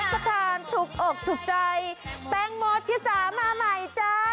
ประธานถูกอกถูกใจแตงโมชิสามาใหม่จ้า